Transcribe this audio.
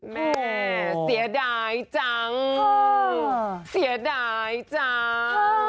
แม่เสียดายจังเสียดายจ้า